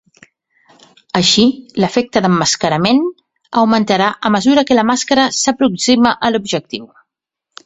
Així, l’efecte d’emmascarament augmentarà a mesura que la màscara s’aproxima a l’objectiu.